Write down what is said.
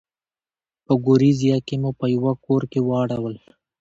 په ګوریزیا کې مو په یوه کور کې واړول.